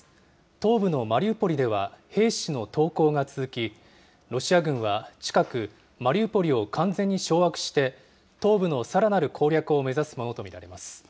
東部のマリウポリでは、兵士の投降が続き、ロシア軍は近く、マリウポリを完全に掌握して、東部のさらなる攻略を目指すものと見られます。